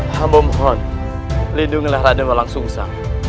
allah memohon lindungilah raden walang sungsang